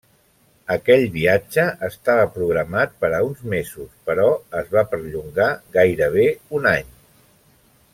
Aquell viatge estava programat per a uns mesos però es va perllongar gairebé un any.